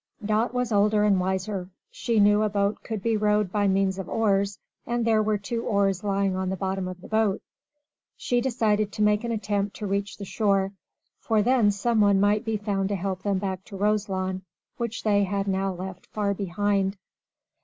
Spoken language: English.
Dot was older and wiser. She knew a boat could be rowed by means of oars, and there were two oars lying on the bottom of the boat. She decided to make an attempt to reach the shore, for then someone might be found to help them back to Roselawn, which they had now left far behind.